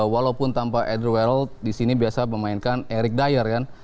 walaupun tanpa edweld di sini biasa memainkan eric dier kan